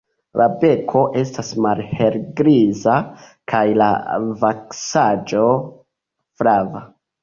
La beko estas malhelgriza kaj la vaksaĵo flava.